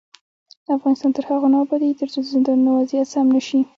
افغانستان تر هغو نه ابادیږي، ترڅو د زندانونو وضعیت سم نشي.